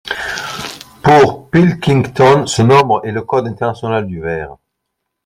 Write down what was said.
Pour Pilkington ce nombre est le code international du verre.